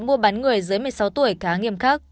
mua bán người dưới một mươi sáu tuổi cá nghiêm khắc